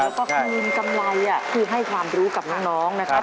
แล้วก็คืนกำไรคือให้ความรู้กับน้องนะครับ